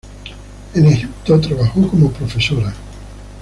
En Egipto trabajó como profesora.